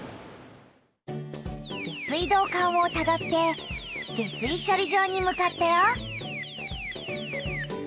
下水道管をたどって下水しょり場にむかったよ。